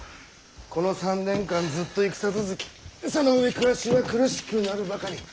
この３年間ずっと戦続きその上暮らしは苦しくなるばかり。